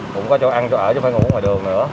cũng có chỗ ăn chỗ ở chứ không phải ngủ ngoài đường nữa